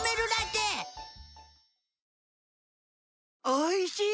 おいしい！